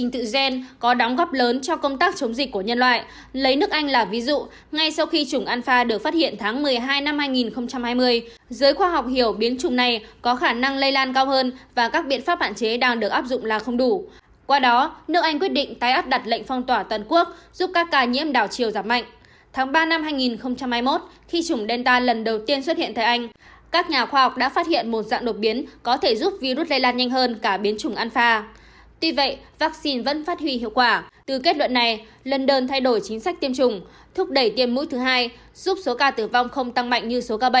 trong kết luận này london thay đổi chính sách tiêm chủng thúc đẩy tiêm mũi thứ hai giúp số ca tử vong không tăng mạnh như số ca bệnh